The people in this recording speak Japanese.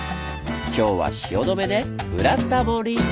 今日は汐留で「ブラタモリ」！